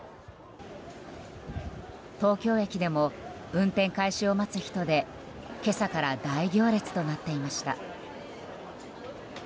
東京駅でも運転開始を待つ人で今朝から大行列となっていました。